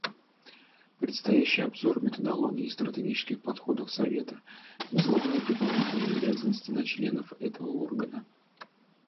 Предстоящий обзор методологии и стратегических подходов Совета возлагает дополнительные обязанности на членов этого органа.